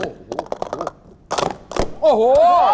โอ้โหโอ้โหโอ้โห